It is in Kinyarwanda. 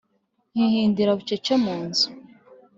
nkihindira bucece mu nzu